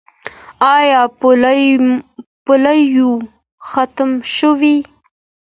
آیا پولیو ختمه شوې؟